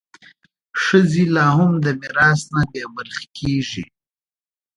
ښځې لا هم د میراث نه بې برخې کېږي.